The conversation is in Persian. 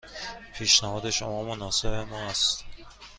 پیشنهاد شما مناسب ما است.